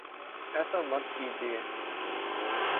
ایسا مت کیجیے